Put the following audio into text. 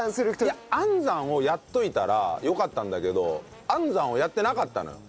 いや暗算をやっといたらよかったんだけど暗算をやってなかったのよ。